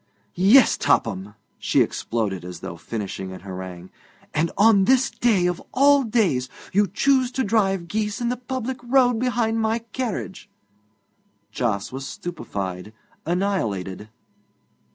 'Yes, Topham!' she exploded, as though finishing an harangue. 'And on this day of all days you choose to drive geese in the public road behind my carriage!' Jos was stupefied, annihilated.